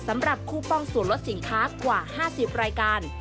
สำหรับคู่ป้องศูนย์ลดสินค้ากว่า๕๐รายการ